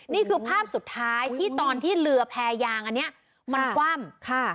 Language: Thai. นี่คือภาพสุดท้ายที่ตอนที่เรือแพรยางอันนี้มันคว่ำค่ะ